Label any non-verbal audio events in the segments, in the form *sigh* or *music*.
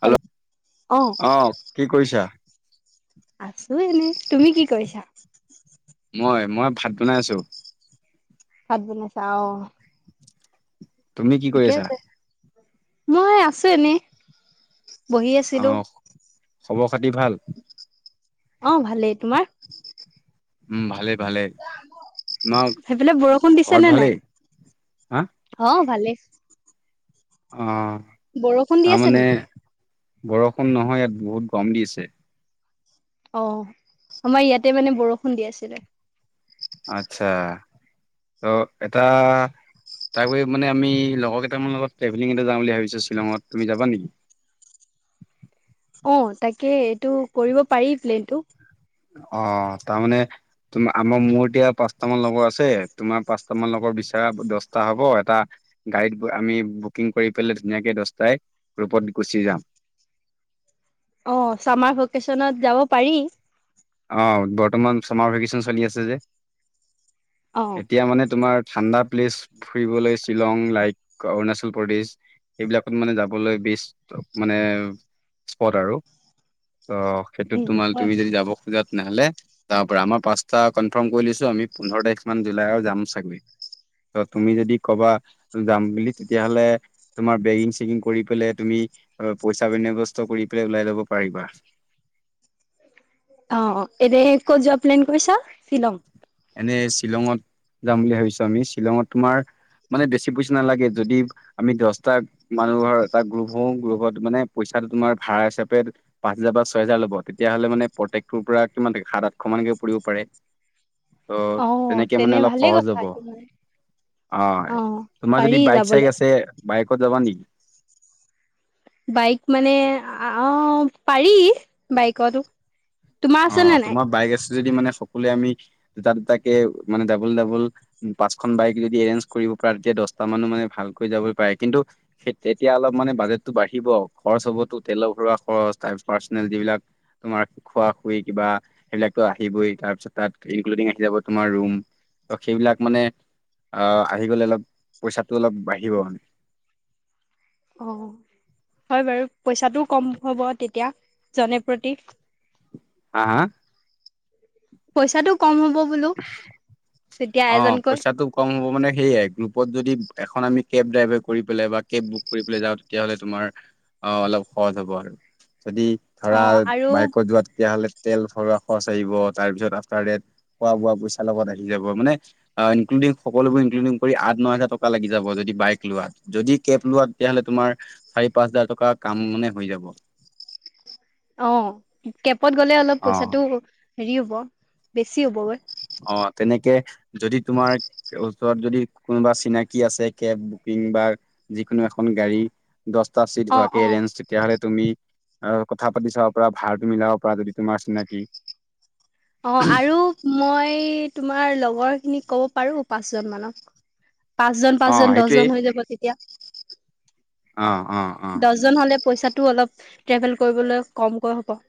Hello, অ' কি কৰিছা? আছো এনেই তুমি কি কৰিছা? মই মই ভাত বনাই আছোঁ। ভাত বনাইছা অ' তুমি কি কৰি ঠিকে আছা আছে, মই আছো এনেই। বহি আছিলো আহ খবৰ খাতি ভাল অ ভালেই তোমাৰ। উম ভালে ভালে। তোমাৰ সেইফালে বৰষুণ দিছে ঘৰত নে নাই? ভালে? অ' ভালেই। অ বৰষুণ দি আছে নেকি? তাৰমানানে বৰষুণ নহয়, ইয়াত বহুত গৰম দি আছে। অ আমাৰ ইয়াতে মানে বৰষুণ দি আছিলে। আচ্ছা ত' এটা তাক গৈ মানে আমি লগৰকেইটামান অলপ ট্ৰেভেলিং এটা যাম বুলি ভাবিছো শ্বিলংত, তুমি যাবা নেকি? অ' তাকে এইটো কৰিব পাৰি প্লেনটো। অ তাৰমানানে তুমা আমাৰ মোৰ এতিয়া পাঁচটামান লগৰ আছে তোমাৰ পাঁচটামান লগৰ বিচৰা দহটা হব এটা গাড়ীত আমি বুকিং কৰি পেলাই ধুনীয়াকে দহটাই গ্ৰুপত গুচি যাম। অ চামাৰ ভেকেশচনত যাব পাৰি। অ বৰ্তমান ছামাৰ ভেকেচন চলি আছে যে অ এতিয়া মানে তোমাৰ। ঠাণ্ডা প্লেচ ফুৰিবলৈ শ্বিলং লাইক অৰুণাচল প্ৰদেশ সেইবিলাকত মানে যাবলৈ বেষ্ট মানে স্পট আৰু। অ' সেইটোত উম উম তোমাৰ হয়। তুমি যদি যাব খোজা তেনেহ'লে তাৰ পৰা আমাৰ পাঁচটা কনফাৰ্ম কৰি লৈছো আমি পোন্ধৰ তাৰিখ মান জুলাই যাম চাগে। তুমি যদি ক'বা যাম বুলি তেতিয়াহ'লে তোমাৰ বেগিং চেগিং কৰি পেলাই তুমি পইচা বিনাবস্ত কৰি পেলাই ওলাই লব পাৰিবা। অ অ এনে ক'ত যোৱা প্লেন কৰিছা শ্বিলং? এনে শ্বিলঙত যাম বুলি ভাবিছো আমি। শ্বিলঙত তোমাৰ মানে বেছি পইচা নালাগে যদি আমি দহটা মানুহৰ এটা গ্ৰুপ। ময়ো গ্ৰুপত মানে পইচাটো তোমাৰ ভাৰা হিচাপে পাঁচ হাজজাৰ বা ছয়োজাৰ ল'ব তেতিয়াহ'লে মানে প্ৰত্যেকটোৰ পৰা কিমানে সাত আঠশ মানকে পৰিব পাৰে। ত' অ তেনেকে মানে তেনে অলপ ভালেই সহজ কথা হ'ব।। এইটো মানে। অ তোমাৰ পাৰি যদি বাইক চাইক যাবলে আছে বাইকত যাবা নেকি? বাইক মানে অ পাৰি বাইকতো তোমাৰ আছে নে অ' নাই তোমাৰ বাইক আছে যদি মানে সকলোৱে আমি দুটা দুটাকে মানে ডাবল ডাবল। পাঁচখন বাইক যদি এৰেঞ্জ কৰিব পৰা তেতিয়া দহটা মানুহ মানে ভালকৈ যাব পাৰে কিন্তু। তেতিয়া অলপ মানে বাজেটটো বাঢ়িব। খৰচ হ'বতো, তেলৰ ভৰোৱা খৰচ, পাৰ্চনেল যিবিলাক তোমাৰ খোৱা ই কিবা সেইবিলাকো আহিবই, তাৰপিছত তাত ইনক্লুডিং আহি যাব তোমাৰ ৰুম ত সেইবিলাক মানে আহ আহি গলে অলপ পইচাটো অলপ বাঢ়িব অ হয় বাৰু পইচাটোও ক'ম হ'ব তেতিয়া জনে প্ৰতি। হা হা পইচাটো কম হ'ব বোলো। তেতিয়া অ এজনকৈ পইচাটো কম হ'ব মানে সেয়াই গ্ৰুপত যদি এখন আমি কেব ড্ৰাইভাৰ কৰি পেলাই বা কেব বুক কৰি পেলাই যাওঁ তেতিয়াহ'লে তোমাৰ অ অলপ সহজ হ'ব আৰু যদি অ ধৰা আৰু বাইকত যোৱা তেতিয়াহ'লে তেল ভৰা খৰচ আহিব তাৰ পিছত আফটাৰ দেট খোৱা বোৱা পইচা লগত আহি যাব মানে ইনক্লুডিং সকলোবোৰ ইনক্লুডিং কৰি আঠ ন হাজাৰ টকা লাগি যাব যদি বাইক লোৱা। যদি কেব লোৱা তেতিয়া হ'লে তোমাৰ চাৰি পাঁচ হাজাৰ টকাৰ কাম মানে হৈ যাব। অ কেবত গ'লে অলপ পইচাটো হেৰি হ'ব বেছি হবগৈ। অ' তেনেকে যদি তোমাৰ ওচৰত যদি কোনোবা চিনাকি আছে কেব বুকিং বা যিকোনো এখন গাড়ী দহটা চিট অ হোৱাকে অ এৰেঞ্জ তেতিয়াহ'লে তুমি অ কথা পাতি চাব পৰা ভাৰটো মিলাব পৰা যদি তোমাৰ চিনাকি অ' আৰু মই তোমাৰ লগৰ খিনিক ক'ব পাৰো পাঁচ জন মানক। পাঁচজন অ পাঁচ জন সেইটোৱেই দহজন হৈ যাব তেতিয়া অ অ অ জন হলে পইচাটো অলপ ট্ৰেভেল কৰিবলৈ কমকৈ হ'ব।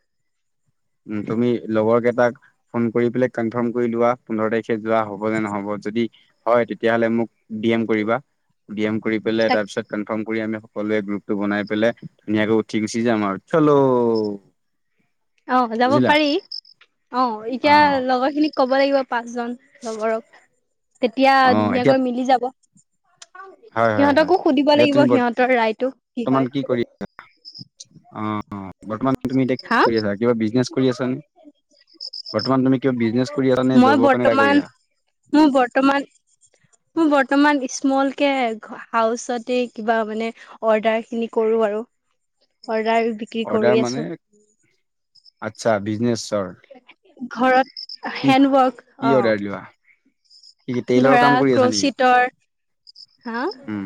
উম তুমি লগৰকেটাক ফোন কৰি পেলাই কনফাৰ্ম কৰি লোৱা পোন্ধৰ তাৰিখে যোৱা হব নে নহ'ব যদি হয় তেতিয়া হ'লে মোক ডি এম কৰিবা ডি এম কৰি পেলায় তাক তাৰ পিছত কনফাৰ্ম কৰি আমি সকলোৱে গ্ৰুপটো বনাই পেলাই ধুনীয়াকে উঠি গুচি যাম আৰু। চলো অ' যাব বুজিলা পাৰি। অ' এতিয়া লগৰ খিনিক ক'ব লাগিব পাঁচজন লগৰক তেতিয়া অ এতিয়া ধুনীয়াকৈ মিলি যাব। হয় হয় হয় সিহতকো সুধিব এতিয়া লাগিব তুমি সিহঁতৰ ৰায়টো কি বৰ্তমান হয়। কৰি অ' অ' বৰ্তমান তুমি এতিয়া কি হা কৰি আছা কিবা বিজনেচ কৰি আছানে বৰ্তমান তুমি কিবা বিজনেছ কৰি আছানে নে মই জবৰ কাৰণে *unintelligible* বৰ্তমান কৰি আছা মোৰ বৰ্তমান *unintelligible* বৰ্তমান স্মল কে হাউচতে কিবা মানে অৰ্ডাৰ খিনি কৰো আৰু। অৰ্ডাৰ বিক্ৰী কৰি অৰ্ডাৰ আছো মানে আচ্ছা বিজনেচ। ঘৰত হেণ্ডৱাৰ্ক। কি অৰ্ডাৰ লোৱা কি অ টেইলৰ ধৰা কাম কৰি আছা নেকি? ক্ৰচিতৰ, হা উম,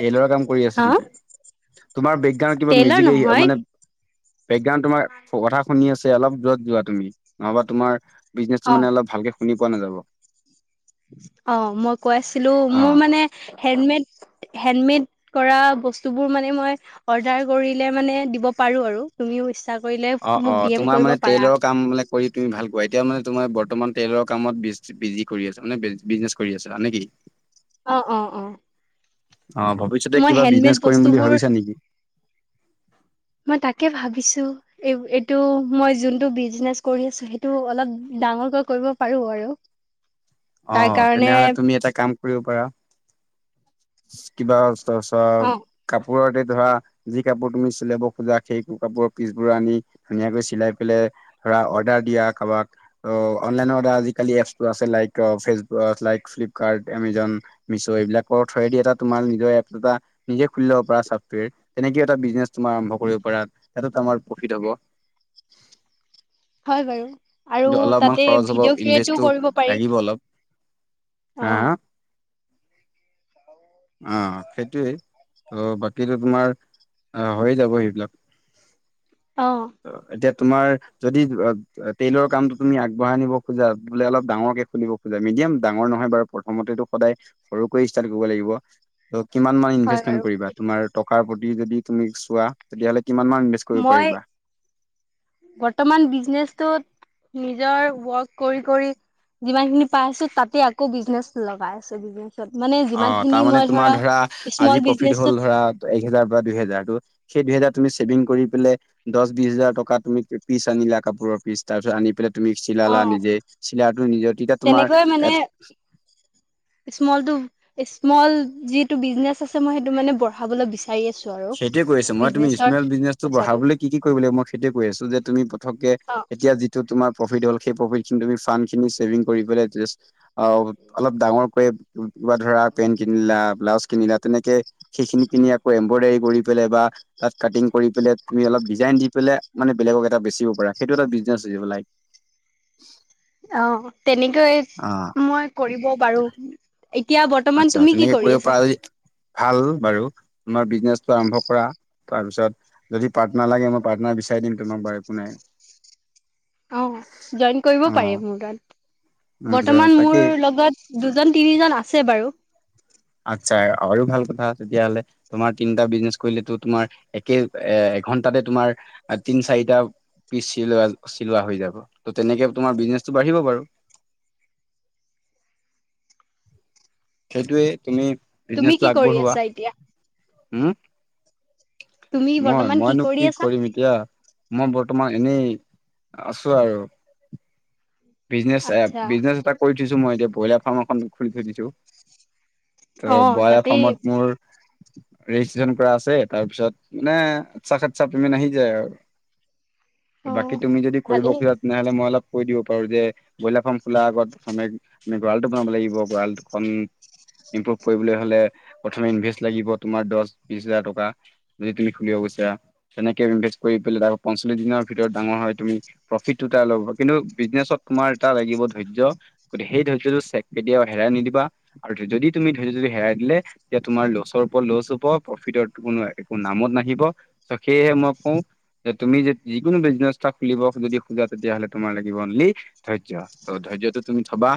টেইলৰ কাম কৰি আছা হা নেকি? তোমাৰ বেকগ্ৰাউণ্ড কিবা টেইলাৰ মিউজিক আ নহয় মানে বেকগ্ৰাউণ্ড তোমাৰ কথা শুনি আছে অলপ দূৰত যোৱা তুমি নহবা তোমাৰ বিজনেচটো অ মানে অলপ ভালকে শুনি পোৱা নাযাব। অ মই কৈ আছিলো মোৰ অ', মানে হেণ্ডমেড হেণ্ডমেড কৰা বস্তুবোৰ মানে মই অৰ্ডাৰ কৰিলে মানে দিব পাৰো আৰু তুমিও কৰিলে অ অ মোক ডি এম তোমাৰ কৰিব মানে পাৰা টইলৰ কাম মানে কৰি তুমি ভাল পোৱা। এতিয়াও মানে তোমাৰ বৰ্তমান টইলৰ কামত বিজ বিজি কৰি আছ মানে বিজনেছ কৰি আছ নে কি? অঁ অঁ অঁ! অঁ ভৱিষ্যতে কিবা বিজনেচ কৰিম বুলি বস্তুবোৰ ভাবিছা নেকি? মই তাকে ভাবিছো। এই এইটো মই যোনটো বিজনেচ কৰি আছো, সেইটো অলপ ডাঙৰকৈ কৰিব পাৰো আৰু। তাৰ অঁ কাৰণে তেনেহলে তুমি এটা কাম কৰিব পাৰা। ইচ্ কিবা অস্তাচা। অ কাপোৰতে ধৰা যি কাপোৰ তুমি চিলাব খোজা সেই কাপোৰৰ পিছবোৰ আনি,,, ধুনীয়াকৈ চিলাই পালাই ধৰা অৰ্ডাৰ দিয়া কাৰোবাক। অঁ অনলাইনৰ আডাৰ আজিকালি এপছটো আছে like Facebook like Flipkart Amazon মিছো এইবিলাকৰ থ্ৰয়েদিটা তোমাৰ নিজৰ এপটা নিজে খুলি ল'ব পাৰা ছ্টৱেৰ, তেনেকেও এটা বিজনেছ তুমাৰ আৰম্ভ কৰিব পাৰা তাতো আমাৰ প্ৰফিট হ'ব। হয়ঁ বাৰু আৰু কিন্তু অলপমান তাতে খৰচ হ'ব ভিডিঅ' ক্ৰিয়েটো ইনভেষ্টটো কৰিব পাৰি। লাগিব অলপ অ হা। *unintelligible* অঁ' সেইটোৱেই, ত' বাকীতো তোমাৰ হৈ যাব সেইবিলাক। অঁ! এতিয়া তোমাৰ যদি জোৱাত টেইলৰ কামটো তুমি আগবঢ়াই নিব খোজা বোলে অলপ ডাঙৰকে খুলিব খোজা মিডিয়াম ডাঙৰ নহয় বাৰু প্ৰথমতেতো সদায়। সৰুকৈ ষ্টাৰ্ কৰিব লাগিব। ত' কিমান মান হয় ইনভেচমেন্ট বাৰু কৰিবা তোমাৰ টকাৰ প্ৰতি যদি তুমি চোৱা তেতিয়াহ'লে কিমান মান কৰিব মই পাৰিবা বৰ্তমান বিজনেচতোট,,, নিজৰ ৱৰ্ক কৰি কৰি। যিমান খিনি পাই আছো তাকে আকৌ বিজনেচ লগাই আছো বিজনেচ। ত মানে অ যিমান খিনি তাৰমানে মই তোমাৰ ধৰা স্মল আজি প্ৰফিট হ'ল বিজনেচত ধৰা এক হেজাৰ বা দুইহেজাৰ ত সেই দুইহেজাৰ তুমি চছেভিং কৰি পেলে। দহ বিশ হাজাৰ টকা তুমি পিছ আনিলা কাপোৰৰ পিছ তাৰ পিছত আনি পেলাই। তুমি অ চিলালা নিজে চিলাইটো নিজে তেতিয়া তোমাৰ তেনেকৈ মানে এফচ- স্মলটো স্মল যিটো বিজনেচ আছে মই সেইটো মানে বঢ়াবলৈ বিচাৰো। চাই আছো আৰু। সেইতোয়ে কৈ আছো মই বিজনেচৰ স্মল বিজনেছটো পইচাটো বঢ়াবলৈ কি কি কৰিব লাগে মই সেইতোয়ে কৈ আছো যে তুমি প্ৰথমকে অ এতিয়া যি,,, ত তোমাৰ প্ৰিফত হ'ল সেই প্ৰফিত ফান খিনী ছেভিং কৰি পেলাই- অলপ ডাঙৰ কিবা ধৰা পেণ্ট কিনিলা ব্লাউজ কিনিলা তেনেকে সেইখিনি কিনি আকৌ এম্ব্ৰইডাৰী। কৰি পেলাই বা তাত কাটিং কৰি পেলাই তুমি অলপ ডিজাইন দি পেলাই,,, মানে বেলেগক এটা বেচিব পাৰা সেইটো এটা বিজনেচ হৈ যাব লাইক। অঁ তেনেকৈ। অঁ! মই কৰিব পাৰো। এতিয়া বৰ্তমান আচ্ছা তুমি কি তেনেকে কৰিব কৰি পৰা আছা? যদি ভাল বাৰু তোমাৰ বিজনেচটো আৰম্ভ কৰা তাৰপিছত,,, যদি পাৰ্টনাৰ লাগে মই পাৰ্টনাৰ বিচাৰি দিম তোমাক বাৰু একো নাই। অঁ জইন কৰিব অ' পাৰে মোৰ তাত। উম, বৰ্তমান মোৰ তাকেই লগত দুজন তিনি জন আছে বাৰু। আচ্ছা আৰু ভাল কথা তেতিয়া হ'লে। তোমাৰ তিনিটা বিজনেছ কৰিলে টো তোমাৰ একে এ এঘন্টাতে তোমাৰ তিন চাৰিটা। পিছ চিলোৱা চিলোৱা হৈ যাব ত তেনেকে তোমাৰ বিজনেচটো বাঢ়িব বাৰু। সেইটোয়ে তুমি তুমি বিজনেচটো কি কৰি আগবঢ়োৱা আছা এতিয়া? হুম তুমি মই বৰ্তমান মইনো কৰি কি আছা? কৰিম এতিয়া মই বৰ্তমান এনেই আছো আৰু বিজনেচ এ আচ্ছা বিজনেছ এটা কৰি থৈছো মই এতিয়া ব্ৰইলাৰ ফাৰ্ম এখন খুলি থৈ দিছো। ত' অ' বায়' তাতেই ফমত মোৰ ৰেজিষ্ট্ৰচন কৰা আছে তাৰ পিছত মানে অতচা সচছা পেমেণ্ট আহি যায় আৰু বাকী অ' তুমি যদি কৰিব ভালেই খোজা তেনেহলে মই অলপ কৈ দিওঁ পাৰোঁ যে ব্ৰইলাৰ ফাৰ্ম খোলা আগত প্ৰথমে গঁড়ালটো বনাব লাগিব গঁড়াল খন ইমপ্ৰভ কৰিবলৈ হলে প্ৰথম ইনভেষ্ট লাগিব তোমাৰ দশ বিশ হাজাৰ টকা। যদি তুমি খুলিব বিচৰা। কেনেকে ইনভেষ্ট কৰি পেলাই তাৰ পঞ্চল্লিশ দিনৰ ভিতৰত ডাঙৰ হয় তুমি প্ৰফিটো তাৰ ল'ব কিন্তু বিজনেচত তোমাৰ এটা লাগিব ধৰ্য্য গতিকে সেই ধয্যটো চেক দি কেতিয়াও হেৰাই নিদিবা। আৰু যদি তুমি ধৈয্য যদি হেৰাই দিলে এতিয়া তোমাৰ লছৰ ওপৰত লচ হব প্ৰফিটৰ কোনো একো নামত নাহিব। চ সেয়েহে মই কওঁ যে তুমি যিকোনো বিজনেছটা খুলিব যদি খোজা তেতিয়া হলে তোমাৰ লাগে ৱনলি ধৈৰ্য্য ত ধৈৰ্যটো তুমি থবা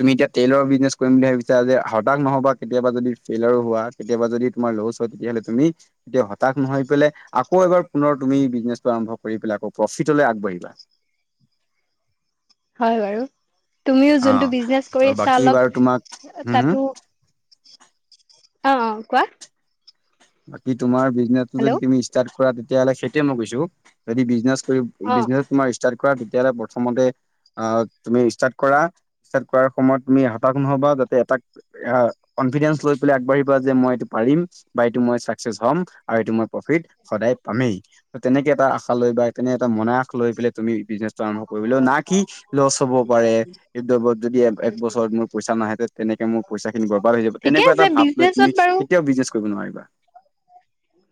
তুমি এতিয়া টেইলৰ বিজনেছ কৰিম বুলি ভাবিছা যে হতাশ নহবা কেতিয়াবা যদি ফেইলৰ হোৱা কেতিয়াবা যদি তোমাৰ লছ হয় তেতিয়াহ'লে তুমি তেতিয়া হতাশ নহয় পেলাই আকৌ এবাৰ পুনৰ তুমি বিজনেছটো আৰম্ভ কৰি পেলাই আকৌ প্ৰফিটলৈ আগবাঢ়িবা হয় বাৰু তুমিও যোনটো অ', বিজনেচ ত' কৰিছা বাকী বাৰু তোমাক অলপ হম, হম। তাতো অ অ কোৱা বাকী তোমাৰ বিজনেটো য হেল্ল' তুমি ষ্টাৰট কৰা তেতিয়াহলে সেইটোৱে মই কৈছো যদি বিজনেস কৰিম অ' বিজনেছ তোমাৰ ষ্টাৰ্ট কৰা তেতিয়াহ'লে প্ৰথমতে অ তুমি ষ্টাৰ্ট কৰা ষ্টাৰ্ট কৰাৰ সময়ত তুমি হতাশ নহবা যাতে এটাক অ কনফিডেন্ঞ্চ লৈ পেলাই আগবাঢ়িবা যে মই এইটো পাৰিম। বা এইটো মই ছাকচেছ হ'ম আৰু এইটো মই প্ৰফিট সদায় পামেই ত তেনেকে এটা আশা লৈ বা তেনে এটা মনায়াশ লৈ পেলাই তুমি বিজনেচটো আৰম্ভ কৰিবলেও না কি লছ হ'ব পাৰে। এই দ্ৰব্যত যদি এক বছৰত মোৰ পইচা নাহে তেনেকে মোৰ পইচা খিনি বৰ্বাদ হৈ যাব ঠিকে তেনেকুৱা আছে এটা ভাৱ লৈ বিজনেচত তুমি বাৰু কেতিয়াও বিজনেছ কৰিব নোৱাৰিবা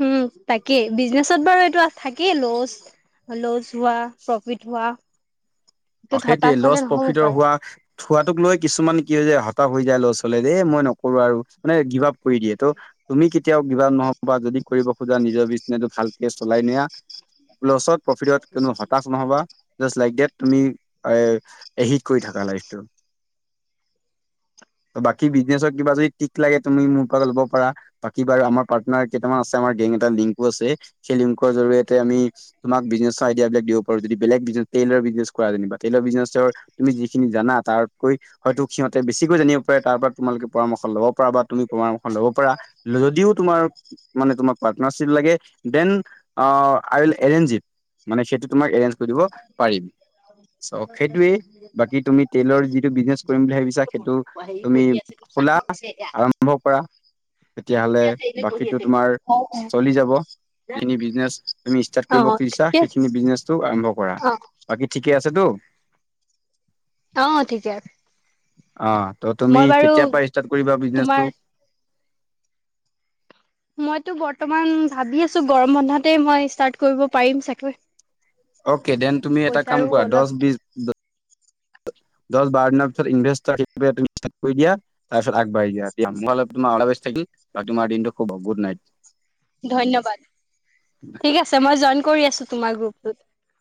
উম তাকে বিজনেচত বাৰু এইটো থাকেই ল'ছ ল'ছ হোৱা প্ৰফিট হোৱা অ ত হতাশ সেইটোয়ে লছ হলে নহ'ব প্ৰফিটৰ পাৰে হোৱা থোৱাটোক লৈ কিছুমান কি হৈ যায় হতাশ হৈ যায় ল'ৰা ছোৱালী এই মই নকৰো আৰু মানে গিভ আাপ কৰি দিয়ে ত' তুমি কেতিয়াও গিভাপ নহব বা যদি কৰিব খোজা নিজৰ বীজ ভালকে চলাই নিয়া লছত প্ৰফিটত কোনো হতাশ নহবা জাষ্ট লাইক দেট তুমি এ এহি কৰি থাকা লাইফ টো ত ত বাকী বিজনেছত কিবা যদি টিপচ্ লাগে তুমি মোৰ পৰা ল'ব পাৰা বাকী বাৰু আমাৰ পাৰ্টনাৰ কেইটামান আছে আমাৰ গেং এটা লিংকো আছে সেই লিংকৰ জৰিয়তে আমি তোমাক বিজনেছৰ আইদিয়াবিলাক দিব পাৰোঁ যদি বেলেগ বিজনেচ তেইলৰ বিজনেছ কৰা যেনিবা। তেলৰ বিজনেচৰ তুমি যিখিনি জানা তাৰ উপৰি। হয়তো সিহঁতে বেছিকৈ জানিব পাৰে তাৰ পৰা তোমালোকে পৰামৰ্শ লব পাৰ বা তুমি পৰামৰ্শ লব পাৰা যদিও তোমাৰ মানে, তোমাক পাৰ্টনাৰশ্বিপ লাগে? Then, I will arrange it. মানে, সেইটো তোমাক এৰেঞ্জ কৰি দিব পাৰিম। চ', সেইটোয়েই বাকী তুমি ট্ৰেইলৰ যিটো বিজনেছ কৰিম বুলি ভাবিছা, সেইটো তুমি খোলা, আৰম্ভ কৰা। তেতিয়াহ'লে বাকীটো তোমাৰ অ' চলি যাব। যিখিনি বিজনেছ তুমি ষ্টাৰ্ট অ' কৰিব অ' খুজিছা, ঠিকে আছে সেইখিনি বিজনেছটো আৰম্ভ কৰা। অ' বাকী ঠিকে আছেতো? অ' ঠিকে আছে। অ' ত-তুমি মই বাৰু কেতিয়াৰ পৰা ষ্টাৰ্ট কৰিবা তোমাৰ বিজনেছটো? মইতো বৰ্তমান ভাবি আছোঁ গৰম বন্ধতে মই ষ্টাৰ্ট কৰিব পাৰিম চাগৈ। অকে, দেন তুমি এটা কাম পইচাৰো কৰা অলপ দহ-বিশ দহ-বাৰ দিনৰ পিছত ইনভেষ্ট *unintelligible* কৰি দিয়া। তাৰপিছত আগবাঢ়ি দিয়া, মোৰ ফালৰ পৰা তোমাৰ অল দা বেষ্ট থাকিল, তোমাৰ দিনটো শুভ হওঁক, গুড নাইট। ধন্যবাদ, ঠিক আছে মই জইন কৰি আছোঁ তোমাৰ গ্ৰুপটোত।